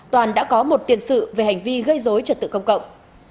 toàn đã có một tiền sự về hành vi gây dối trật tự công cộng